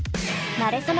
なれそめ！